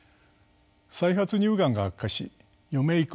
再発乳がんが悪化し余命